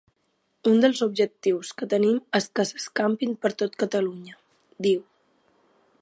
“Un dels objectius que tenim és que s’escampin per tot Catalunya”, diu.